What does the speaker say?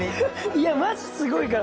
いやマジすごいから！